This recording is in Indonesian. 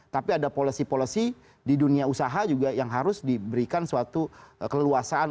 tapi ada policy policy di dunia usaha juga yang harus diberikan suatu keleluasaan